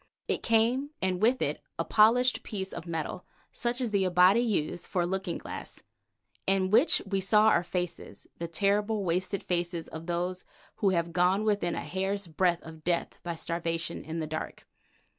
It came, and with it a polished piece of metal, such as the Abati use for a looking glass, in which we saw our faces, the terrible, wasted faces of those who have gone within a hair's breadth of death by starvation in the dark.